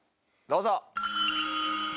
どうぞ！